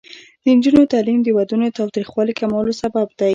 د نجونو تعلیم د ودونو تاوتریخوالي کمولو سبب دی.